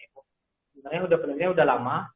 sebenarnya penelitiannya sudah lama